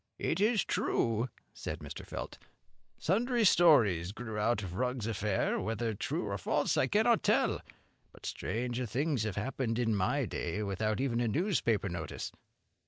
"It is true," said Mr. Felt, "sundry stories grew out of Rugg's affair, whether true or false I cannot tell; but stranger things have happened in my day, without even a newspaper notice."